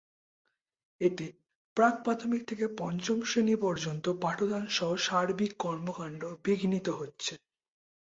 এতে প্রাক্-প্রাথমিক থেকে পঞ্চম শ্রেণি পর্যন্ত পাঠদানসহ সার্বিক কর্মকাণ্ড বিঘ্নিত হচ্ছে।